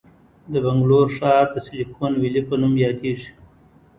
د بنګلور ښار د سیلیکون ویلي په نوم یادیږي.